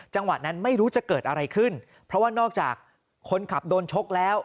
จังหวะนั้นไม่รู้จะเกิดอะไรขึ้นเพราะว่านอกจากคนขับโดนชกแล้ว